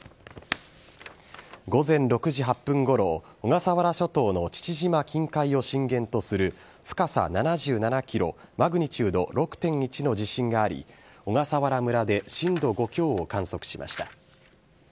午前６時８分ごろ、小笠原諸島の父島近海を震源とする、深さ７７キロ、マグニチュード６．１の地震があり、小笠原村で震度５強を観測しました。